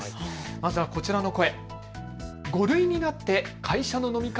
まずはこちらの声。